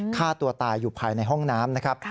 ฆ่าตัวตายอยู่ภายในห้องน้ำ